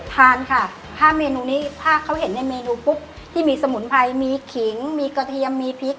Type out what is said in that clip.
ทานค่ะถ้าเมนูนี้ถ้าเขาเห็นในเมนูปุ๊บที่มีสมุนไพรมีขิงมีกระเทียมมีพริก